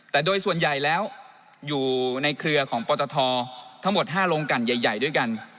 แต่โดยส่วนใหญ่แล้วอยู่ในเครือของปตททั้งหมด๕โรงกันใหญ่ด้วยกัน